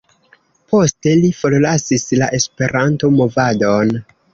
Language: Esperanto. Poste li forlasis la Esperanto-movadon.